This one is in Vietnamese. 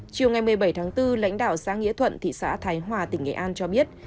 chiều ngày một mươi bảy tháng bốn lãnh đạo xã nghĩa thuận thị xã thái hòa tỉnh nghệ an cho biết